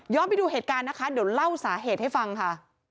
ไปดูเหตุการณ์นะคะเดี๋ยวเล่าสาเหตุให้ฟังค่ะ